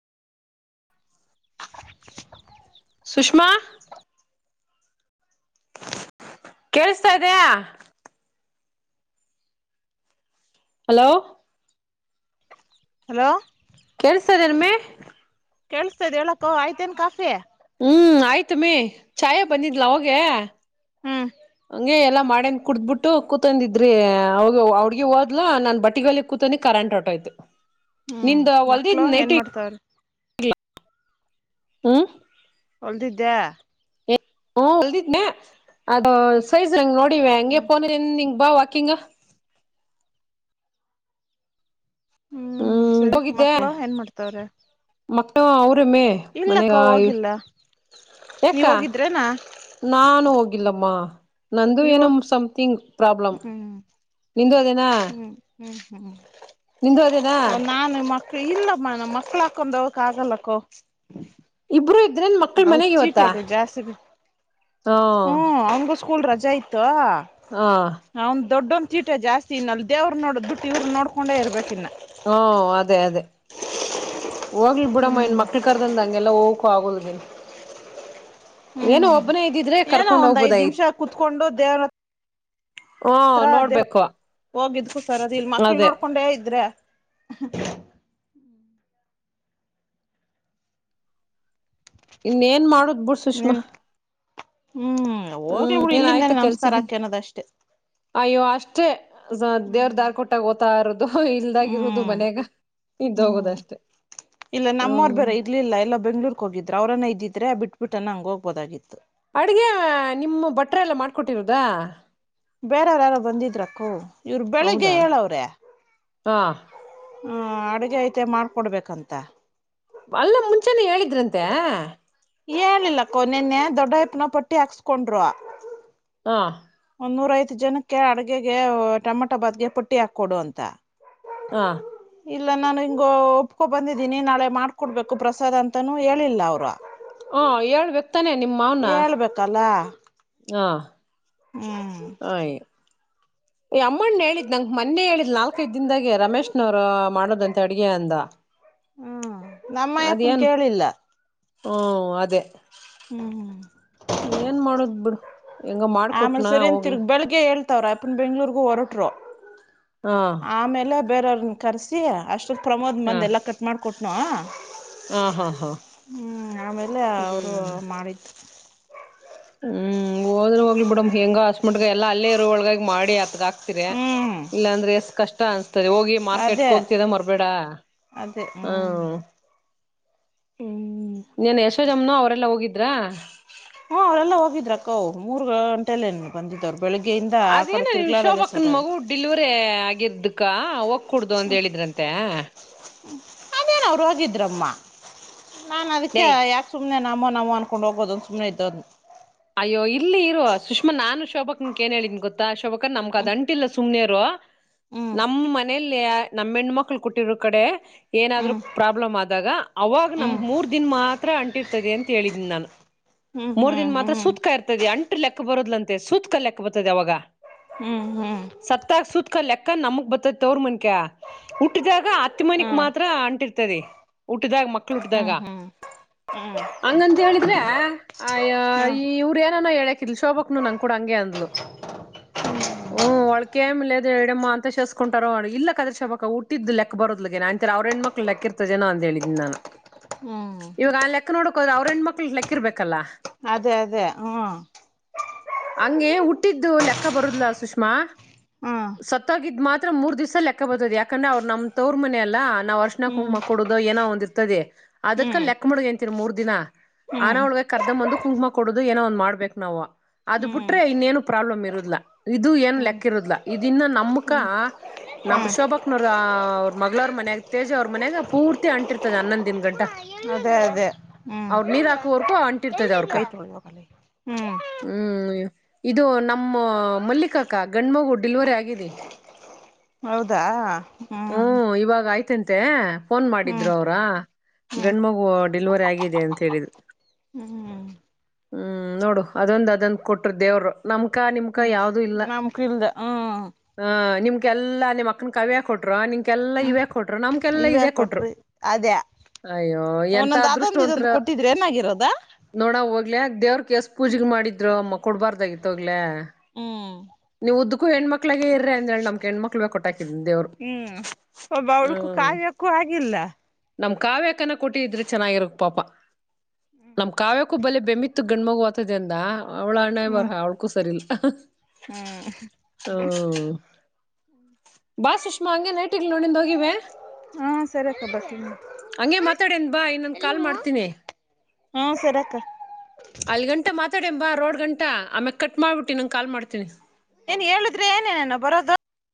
ಸುಷ್ಮಾ ಕೇಳಸ್ತಾ ಇದೇಯ? Hello hello ಕೇಳಿಸ್ತದೆನಮ್ಮಿ? ಕೇಳಸ್ತದ್ ಹೇಳಕ್ಕೋ ಆಯ್ತೇನ್ ಕಾಫಿ? ಹ್ಮ್ ಆಯ್ತ ಮೀ ಚಾಯ ಬಂದಿದ್ಲ ಅವಗೆ ಅಂಗೇ ಎಲ್ಲ ಮಾಡೇನ್ ಕುಡ್ದಬಿಟ್ಟು ಕೂತಂದಿದ್ರಿ ಅವ ಅವಡ್ಗಿ ಹೋದ್ಲು ನಾನ್ ಬಟ್ಟಿಲ್ಲಿ ಕೂತೊನಿ ಕರೆಂಟ್ ಹೊರ್ಟೋಯ್ತು. ಹ್ಮ್ ಮಕ್ಳು ಏನ್ ಮಾಡ್ತವ್ರೆ. ಹ್ಮ್ ಹೊಲ್ದಿದ್ಯಾ? ಹ ಹೊಲ್ದಿದ್ನೆ ಅದು ಸೈಜ್ ಹಂಗ್ ನೋಡ್ ಅಂಗೇ ಹ್ಮ್ ಫೋನಿನಿಂಗ್ ಬಾ ವಾ ಕಿಂಗ್. ಹ್ಮ್ ಸರಿ ಹೋಗಿದ್ದೆ ಮಕ್ಳು ಏನ್ ಮಾಡ್ತಾವ್ರ ಮಕ್ಕಳು ಅವ್ರಮ್ಮೆ ಇಲ್ಲಕ್ಕ ಮನೆಗ ಹೋಗಿಲ್ಲ ಯಾಕ ನೀವ ಹೋಗಿದ್ರೇನಾ ನಾನು ಹೋಗಿಲ್ಲಮ್ಮ ನಂದು ನೀವು ಏನೋ ಸಮ್ಥಿಂಗ್ ಪ್ರಾಬ್ಲಮ್ ಹ್ಮ್ ನಿಂದು ಅದೇನಾ ಹ್ಮ್ ಹ್ಮ್ ಹ್ಮ್್ಮ ನಿಂದು ಅದಿನ ಇಲ್ಲಮ್ಮ ನಮ್ಮ ಮಕ್ಳಾಕೊಂಡು ಹೋಗೋಕೆ ಆಗಲ್ಲಕ್ಕೋ ಬ್ರ ಇದ್ರನ್ ಮಕ್ಕಳ ಅವ್ ಮನೆಗೆ ಇವತ್ತಾ ಚೀಟಗ ಜಾಸ್ತಿ ಹಾ ಹ್ಮ್ ಅವನ್ಗೂ ಸ್ಕೂಲ್ ರಜೆ ಇತ್ತು ಹಾ ದೊಡ್ಡೊಂದು ಚೀಟೆ ಜಸ್ ಇ ಅಲ್ಲಿ ದೇವರು ನೋಡೋ ದುಡ್ಡು ಇವರು ನೋಡಕೊಂಡೇ ಇರಬೇಕು ಇನ್ನ ಹಾ ಅದೇ ಅದೇ ಹೋಗ್ಲಿ ಬಿಡಮ್ಮ ಹ್ಮ್ ಇನ್ ಮಕ್ಳ ಕರ್ದಂದ ಹಂಗೆಲ್ಲ ಹೋಗಿ ಕಗಲ್ಗಿನ [unintelligible] ಹ್ಮ್ ಏನ ಒಂದ್ ಐದ್ ನಿಮಿಷ ಹೋಗ್ಬೋದಾಗಿತ್ತು ಕುೂತ್ಕೊಂಡು ದೇವ್ರ ಹಾ ಆತ್ರರ ಅದೇ ನೋಡ್ಬೇಕು ಹೋಗಿದ್ ಕುೂತರ್ ಅದ ಇಲ್ ಮಕ್ಳ ಅದೇ ನೋಡ್ಕೊಂಡೆ ಇದ್ರೆ [inaudible] ಇನ್ನೇಏನ್ ಮಾಡು ಅಬು ಸುಷ್ಮಾ ನಿನ್ ಹ್ಮ್ ಹೋಗ್ಲಿ ಹ್ಮ್ ಕೂ ಏನ್ ಆಯ್ತು ಇಲ್ಲಿಂದನೆ ನಮಸ್ಕಾರ ಕೆಲ್ಸದ ಹಕ ಅನ್ನೋದ ಅಷ್ಟೇ ಷ್ಟೆ ಸ ದೇವ್ರ ದಾರ್ ಕೊಟ್ಟಾಗ ಓ್ತಾ ಇರೋದು ಇಲ್ದಾಗಿರುದು ಹ್ಮ್ ಮನ್ಯಾಗ ಇದ್ದ ಹೋಗುದಷ್ಟೆ ಇಲ್ಲ ನಮ್ಮೋರ್ ಹ್ಮ್ ಬೇರೆ ಇರೆ ಬಿಟ್ಬಿಟ್ಟ ನ ಹಂಗ ಹೋಗ್ಬೋದಾಗಿತ್ತು ಅಡ್ಗೆ ನಿಮ್ಮ ಬಟ್ಟ್ರ ಎಲ್ಲ ಮಾಡ್ಕೊಟ್ಟಿರುದಾ ಬೇರೆವ್ರ ಯಾರೋ ಬಂದಿದ್ರಕ್ಕೋ ಇವರು ಬೆಳಿಗ್ಗೆ ಹೌದಾ ಹೇಳವರೇ ಹ ಹ್ಮ ಅಡುಗೆ ಐತೆ ಮಾಡ್ಕೊಡ್ಬೇಕಂತೆ ಅಲ್ಲ ಮುಂಜಾನೆ ಹೇಳಿದ್ರಂತೆ ಹೇಳಿಲ್ಲಕ್ಕೋ ನಿನ್ನೆ ದೊಡ್ಡಪ್ನ ಪಟ್ಟಿ ಹಾಕ್ಸ್ಕೊಂಡ್ರು ಹ ನೂರ ಐತ್ ಜನಕ್ಕೆ ಅಡ್ಗೆ ಟೊಮಾಟೊ ಬಾತ್ಗೆ ಪುಟ್ಟಿ ಹಾಕೊಡು ಅಂತ ಹಾ ಇಲ್ಲ ನಾನು ಹಿಂಗ ಒಪ್ಕೊ ಬಂದಿದ್ದೀನಿ ನಾಳೆ ಮಾಡಕೊಡ್ಬೇಕು ಪ್ರಸಾದ್ ಅಂತನೂ ಹೇಳಿಲ್ಲ ಅವರು ಹ ಏಳ್ಬೇಕತಾನೆ ನಿಮ್ಮ ಅನ ಹೇಳ್ಬೇಕಲ್ಲ ಹಾ ಹ್ಮ್ ಅಮ್ಮಣ್ಣ ಹೇಳಿದ್ ನಂ ಮೊನ್ನೆ ಹೇಳಿದ್ ನಾಲ್ಕೈ ದದಾಗೆ ರಮೇಶ್ನವ್ರ ಮಾಡೋದಂತೆ ಅಡ್ಗೆ ಅಂದ ಹ್ಮ್ ನಮ್ಮ ಯಪ್ಪನ್ ಕೇಳಿಲ್ಲ ಹ್ಮ ಅದೇ ಹ್ಮ ಹ್ಮ ಏನ್ ಮಾಡೋದ್ ಬಿಡು ಹೆಂಗ ಆಮೇಲೆ ಮಾಡ್ಕೊಟ್ನಾ ಸರಿನ್ ಹೋಗ್ಲಿ ತಿರ್ಗ ಬೆಳಿಗ್ಗೆ ಹೇಳ್ತ ಅವ್ರ ಅಪ್ಪನ್ ಬೆಂಗ್ಗಳೂರ್ಗೂ ಹೊರಟರು ಹಾ ಅಮೇಲೆ ಬೇರೆಯವ್ರನ್ನ ಕರೆಸಿ ಅಷ್ಟೊ ಹಾ ಪ್ರಮೋದ್ಂದ ಎಲ್ಲ ಕಟ್ ಮಾಡ ಕೊಟ್ನವಾ ಹಾ ಹಾ ಹಾ ಹ್ಮ ಹ ಮಾಡಿತ್ ಹ್ಮ ಹೋದ್ರ ಹೋಗ್ಲಿ ಬಿಡಮ ಹೆಂಗ ಮುಟ್ಗ ಎಲ್ಲಾ ಅಲ್ಲೇ ಇರ ಒಳಗಾಗಿ ಮಾಡಿ ಅತ್ಗಾಕ್ತಿರ ಹ್ಮ್ ಇಲ್ಲಾ ಅಂದ್ರೆ ಎಷ್ಟ ಕಷ್ಟ ಅನ್ಸ್ತದೆ ಹೋಗಿ ಮಾರ್ಕೆಟ್ಗೆ ಅದೇ ಹೋಗ್ತಿದ ಮರ್ಬೇಡ ಅದೇ ಹ್ಮ್ ಹ್ಮ ಹ್ಮ ನೀನ್ ಯಶೋಜಮ್ಮನ ಅವರೆಲ್ಲಾ ಹೋಗಿದ್ರ ಹ್ಮ ಅವರೆಲ್ಲಾ ಹೋಗಿದ್ರ ಅಕ್ಕ ಮೂರ್ ಗಂಟೆಲ್ಲೇನ್ ಬಂದಿದವ್ರು ಅದೇನ ನೀವು ಶೋಭಾಕ್ನ್ ಮಗು ಆಯ್ತು ಡಿಲಿವರಿ ಆಗಿರ್ದಕ್ ಕ ಒ ಕುಡ್ದು ಅಂತ ಹೇಳಿದ್ರಂತೆ ಅದೇನಾವ್ ರೋಗಿದ್ರಮ್ಮ ನಾನ್ ಅದಕ್ಕೆ ಏಯ್ ಯಾಕ ಸುಮ್ಮನೆ ನಮ್ಮ ನಾವು ಅನ್ಕೊಂಡು ಹೋಗೋದೊ ಸುಮ್ಮನೆ ಇದ್ದ ಅಯ್ಯೋ ಇಲ್ಲಿ ಇರುವ ಸುಷ್ಮಾ ನಾನು ಶೋಭಾ ಅಕ್ಕಂಗ ಏನ್ ಹೇಳಿದಿ ಗೊತ್ತಾ ಕ್ಕ ನಮಗೆ ಆದ ಅಂಟಿಲ್ ಸುಮ್ಮನೆರು ಹ್ಮ್ [unintelligible] ನಮ್ಮ ಮನೇಲಿ ನಮ್ಮ ಹೆಣ್ಣ ಮಕ್ಕಳ ಕೊಟ್ಟಿರು ಕಡೆ ಏನಾದ್ರೂ ಹ್ಮ್ ಪ್ರಾಬ್ಲಮ್ ಆದಾಗ ಅವಾಗ ಹ್ಮ್ ನಮ್ಗ್ ಮೂರ್ ದಿನ ಮಾತ್ರ ಅಂಟಿರ್ತದೆ ಕೇಳಿದ್ದ ನಾನು ಹ್ಮ್ ಮೂರ್ ಹ್ಮ್ ದಿನ ಹ್ಮ್ ಹ್ಮ್ ಮಾತ್ರ ಸುತಕಾ ಇರ್ತದೆ ಅಂಟ ಲೆಕ್ಕ ಬರೋದಲಂತೆ ಸೂತಕ ಲೇಕ್ ದೆ ಅವಾಗ ಹ್ಮ್ ಹ್ಮ್ ಹ್ಮ್ ಸತ್ತಾಗ ಸೂತಕ್ ಕ ಲೆಕ್ಕ ನಮಕ ಬರ್ತಾದ ತವರಮನೆ ಹುಟ್ಟಿದಾಗ ಹತ್ತ ಮನಿಕ ಹ್ಮ್ ಮಾತ್ರ ಅಂಟಿರ್ತದೆ ಉಟಿದಾಗ ಮಕ್ಳ ಉಟ್ಟಿದಾಗ ಹ್ಮ್ ಹ್ಮ್ ಹಂಗಂತ ಹೇಳಿದ್ರೆ ಅಯ್ಯೋ ಹ್ಮ್ ಇವರೇ ಎನನ ಹೇಳೆ ಕಲ್ಸೋಬಕ್ ನಂಗ ಕೂಡ ಹಂಗೆ ಅಂದ್ಲು ಹ ಒಳಕ್ ಕೆಮಲೆ ಹೇಳ ಇಡಮ್ಮ ಅಂತ ಶೇಸ್ಕೊಟಾರೋ ಇಲ್ಲ ಕಣೇ ಶೊಭಕ್ಕ ಹುಟ್ಟಿದ್ದ ಬರದ್ ಏನ ಅಂತರ ಅವ್ರ ಹೆಣ್ಮಕ್ ಲೆಕ್ಕಿರ್ತ ಜನ ಅಂತ ಹೇಳಿದ ನಾನು ಹ್ಮ್ ಇವಾಗ ಆ ಲೆಕ್ಕ ನೋಡಕ್ ಹೋದ್ರೆ ಅವರ್ ಹೆಣ ಮಕ್ಳ ಲೆಕ್ಕ ಹಾಕಿರ್ಬೇಕಲ್ಲಾ ಅದೇ ಅದೇ ಹ್ಮ ಹಂಗೆ ಹುಟ್ಟಿದ್ದು ಲೆಕ್ಕ ಬರುದ್ಲ ಸುಷ್ಮಾ ಹ್ಮ ಸತ್ತಾಗಿದ ಮಾತ್ರ ಮೂರ್ ದವಸ ಲೆಕ್ಕ ಬದ ಯಾಕಂದ್ರ ಅವ್ ನಮ ತವರ್ ಮನೆಯ ಅಲ್ಲ ನಾವು ಅರಿಶಿನ ಹ್ಮ್ ಕುಂಕುಮ ಕೊಡುದು ಏನೋ ಒಂದು ಇರ್ತದೆ ಅದಕ್ಕ ಹ್ಮ್ ಲೆಕ್ಕ ಮಗ ಅಂತರ್ ಮೂರ್ ದಿನ ಆನ ಹ್ಮ್ ಒಳಗ ಕರ್ ಒಂದು ಕುಂಕಮ ಕೊಡುದು ಏನೋ ಒಂದು ಮಾಡಬೇಕು ನಾವು ಅದ್ ಹ್ಮ್ ಬಿಟ್ರೆ ಇನ್ನೇನು ಪ್ರಾಬ್ಲಮ್ ಇರುದಿಲ್ಲ ಇದು ಹ್ಮ್ ಏನ್ ಹ್ಮ್ ಲೆಕ್ಕ ಇರುದಿಲ್ಲ ಇದನ್ನ ನಮಕ ಹ್ಮ್ ನಮ ಶೋಭಾಕ್ನವ್ರ ಅವ್ರ ಮಗಳವ್ರ ಮನ್ಯಾಗ ತೇಜ ಅವ್ರ ಮನ್ಯಾಗ ಪೂರ್ತಿ ಅಂಟಿರ್ತದೆ ಹನ್ನೊಂದ ದಿನ ಗಂಟ ಅದೇ ಅವ್ರ ನೀರ್ ಹಾಕೋವರ್ಕೂ ಅಂಟಿರ್ತ ಕೈತೋಳಿ ಹೋಗಲೇ ಹೂ ಇದು ನಮ್ಮ ಮಲ್ಲಿಕ ಅಕ್ಕ ಗಂಡು ಮಗು ಡಿಲಿವರಿ ಆಗಿದೆ ಹೌದಾ ಹೂ ತಂತೆ ಫೋನ್ ಮಾಡಿದ್ರು ಅವ್ರಾ ಹ್ಮ್ ಗಂಡು ಮಗು ಡೆಲಿವರಿ ಆಗಿದೆ ಅಂತ ಹೇಳಿದ್ರು ಹ್ಮ್ ಹೂ ನೋಡು ಅದೊಂದ್ ಅದಂದು ಕೊಟರು ದೇವರು ನಮಕ ನಿಮ್ಕ ಹ್ಮ್ ಯಾವ್ದೂ ಇಲ್ಲ ನಮ್ ಕಿಲ್ದ ಹ್ಮ್ ಆ ನಿಮ್ ಎಲ್ಲ ನಿಮ್ಮ ಅಕ್ಕನ ಕವಿಯಾ ಕೊಟ್ರು ನಿ ಲ್ಲಾ ಇವೇ ಕೊಟರು ನಮ್ಕಲ್ಲಾ ಇವೇ ಇದ ಕೊಟ್ರು ಕೊಟ್ರಿ ಅದೇ ಅಯ್ಯೋ ಎಂತ ಒಂದೊಂದ್ ಅದೊಂದು ಇದೊಂದು ಅದೃಷ್ಟವಂತರೋ ಕೊಟ್ಟಿದ್ರೆ ಏನಾಗಿರೋದ ನೋಡ ಹೋಗ್ಲಾ ದೇವ್ರಕ್ ಎಷ್ಟು ಪೂಜೆ ಮಾಡಿದ್ರು ಮಕ್ಕ ಕೊಡಬಾರ್ದಾಗಿತಹೋಗಲೇ ಹ್ಮ್ ನೀವುದು ಹೆಣ್ಮಕ್ಳು ಮಕ್ಳಗ ಇರ್ರೆ ಅಂದೇಳಿ ನಮ್ ಹೆಣ್ಮಕ್ಳ ಕೊಟ್ಟಾಕಿದ್ದ ದೇವ್ರು ಹ್ಮ್ ಒಬ್ಬ ಹೂ ಅವಳಕು ಕಾವ್ಯಕ್ಕೂ ಆಗಿಲ್ಲ ನಮ್ ಕಾವ್ಯಾಕನ ಕೊಟ್ಟಿದ್ರೆ ಚೆನ್ನಾಗಿ ಇರೋದುಪಾಪ ಹ ಹ ಹ ಯಾಕು ಬಲೆ ಬೆಮ್ಮಿತ್ತು ಗಂಡುಮಗು ಆಗುತ್ತೆ ಅಂದ ಅವಳಣ್ಣೇ ಅವಳಕು ಸರಿ ಇಲ್ಲ ಹ ಹೂ ಬಾ ಸುಷ್ಮಾ ಹಂಗೆ ನೈಟಿಗ್ಲ್ ನೋಡಂದು ಹೋಗಿವೆ ಹಾ ಸರಿ ಅಕ್ಕ ಬರ್ತೀನಿ ಹಂಗೆ ಮಾತಾಡನ್ ಬಾ ಇನ್ನೊಂದು ಕಾಲ್ ಮಾಡ್ತೀನಿ ಹು ಸರಿ ಅಕ್ಕ ಅಲ್ ಗಂಟಾ ಮಾತ್ ಆ ಕಡೆ ಬಾ ರೋಡ್ ಗಂಟ ಆಮೇಲೆ ಕಟ್ ಮಾಡ್ಬಿಟ್ಟು ಇನ್ನೊಂದು ಕಾಲ್ ಮಾಡ್ತೀನಿ ಏನ್ ಹೇಳಿದ್ರೆ ಏನೇನು ಬರೋದು